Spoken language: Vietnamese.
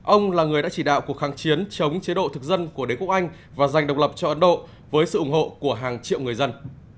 ông là người đã chỉ đạo cuộc kháng chiến chống chế độ thực dân của đế quốc anh và giành độc lập cho ấn độ với sự ủng hộ của hàng triệu người dân